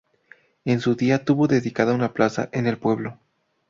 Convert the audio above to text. En su día tuvo dedicada una plaza en el pueblo.